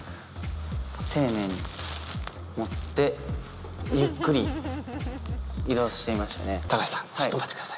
丁寧に持ってゆっくり移動していましたね。